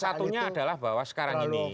satunya adalah bahwa sekarang ini